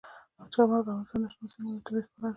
چار مغز د افغانستان د شنو سیمو یوه طبیعي ښکلا ده.